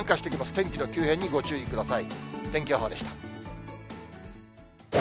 天気の急変にご注意ください。